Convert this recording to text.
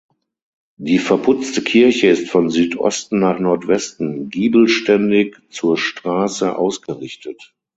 Die verputzte Kirche ist von Südosten nach Nordwesten giebelständig zur Straße ausgerichtet.